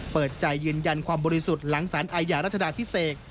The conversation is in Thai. เปิดใจยืนยันความบริสุทธิ์หลังสารอาญารัชดาพิเศษ